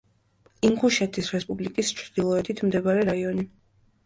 ინგუშეთის რესპუბლიკის ჩრდილოეთით მდებარე რაიონი.